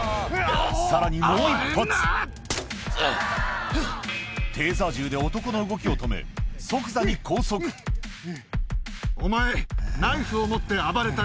さらにもう１発テーザー銃で男の動きを止め即座に拘束はぁ⁉じゃあ。